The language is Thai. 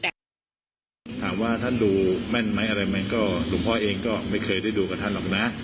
ถามว่าท่านดูแม่นไหมอะไรไหมก็หลวงพ่อเองก็ไม่เคยได้ดูกับท่านหรอกนะ